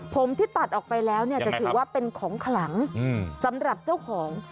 ผมที่ตัดออกไปแล้วเนี่ยจะถือว่าเป็นของขลังสำหรับเจ้าของ